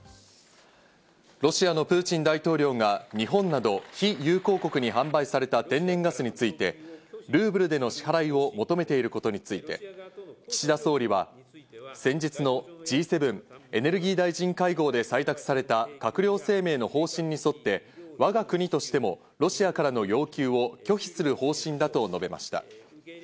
ロシアのプーチン大統領が日本など非友好国に販売された天然ガスについてルーブルでの支払いを求めていることについて岸田総理は先日のＧ７エネルギー大臣会合で採択された閣僚声明の方針に沿って我が国としてもロシアからの要求を拒否する方針だと述べました。